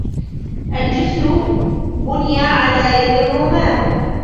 الجسر بني على يدي الرومان.